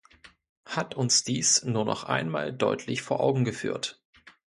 Hat uns dies nur noch einmal deutlich vor Augen geführt.